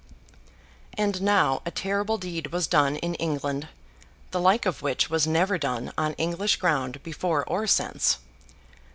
And now, a terrible deed was done in England, the like of which was never done on English ground before or since.